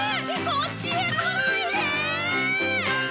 こっちへ来ないで！